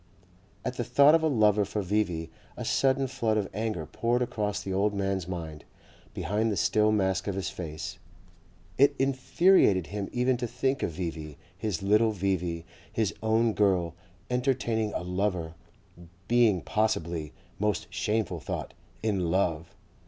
At the thought of a lover for V.V. a sudden flood of anger poured across the old man's mind, behind the still mask of his face. It infuriated him even to think of V.V., his little V.V., his own girl, entertaining a lover, being possibly most shameful thought IN LOVE!